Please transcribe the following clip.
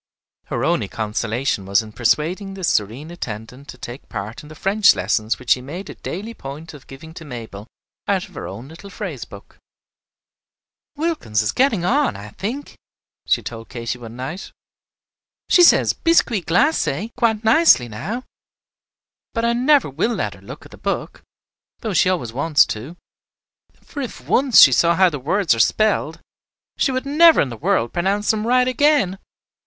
Her only consolation was in persuading this serene attendant to take a part in the French lessons which she made a daily point of giving to Mabel out of her own little phrase book. "Wilkins is getting on, I think," she told Katy one night. "She says 'Biscuit glacé' quite nicely now. But I never will let her look at the book, though she always wants to; for if once she saw how the words are spelled, she would never in the world pronounce them right again.